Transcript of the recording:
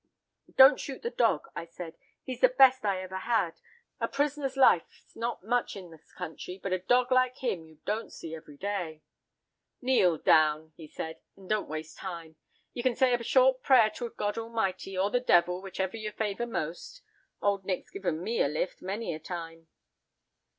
"'"Don't shoot the dog," I said, "he's the best I ever had—a prisoner's life's not much in this country, but a dog like him you don't see every day." "'"Kneel down," he said, "and don't waste time; ye can say a short prayer to God Almighty, or the devil, whichever ye favour most. Old Nick's given me a lift, many a time."